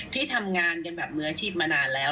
ที่ทำงานกันแบบมืออาชีพมานานแล้ว